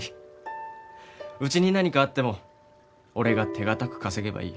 うちに何かあっても俺が手堅く稼げばいい。